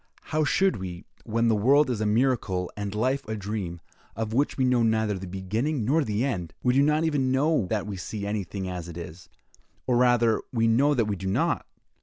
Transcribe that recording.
How should we, when the world is a miracle and life a dream, of which we know neither the beginning nor the end! We do not even know that we see anything as it is, or rather, we know that we do not.